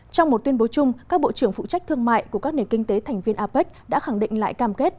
trong một tuyên bố chung các bộ trưởng phụ trách thương mại của các nền kinh tế thành viên apec đã khẳng định lại cam kết